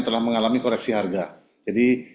telah mengalami koreksi harga jadi